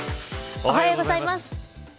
おはようございます。